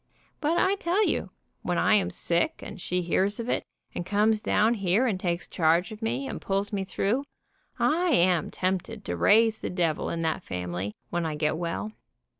But I tell you, when I am sick, and she hears of it, and comes down here and takes charge of me, and pulls me through, I am tempted to raise the devil in that family when I get well.